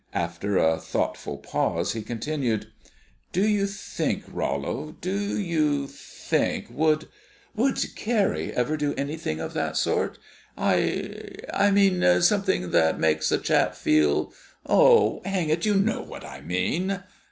After a thoughtful pause he continued: "Do you think, Rollo do you think would would Carrie ever do anything of that sort? I I mean, something that makes a chap feel oh, hang it, you know what I mean."